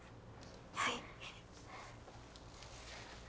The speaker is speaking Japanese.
はい。